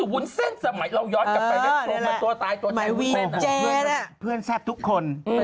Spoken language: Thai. วุ้นเส้น